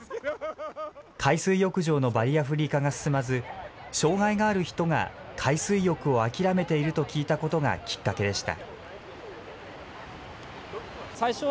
海水浴場のバリアフリー化が進まず、障害がある人が海水浴を諦めていると聞いたことがきっかけでした。